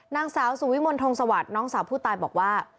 นางสาวสุวิมลทงสวัสดิ์น้องสาวผู้ตายบอกว่า